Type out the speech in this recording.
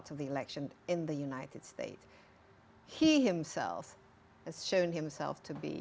tapi ini adalah tantangan besar dan semoga